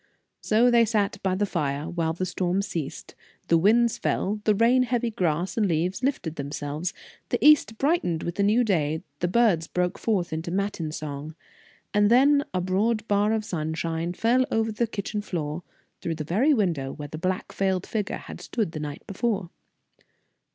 So they sat by the fire, while the storm ceased, the winds fell, the rain heavy grass and leaves lifted themselves, the east brightened with a new day, the birds broke forth into matin song, and then a broad bar of sunshine fell over the kitchen floor, through the very window where the black veiled figure had stood the night before.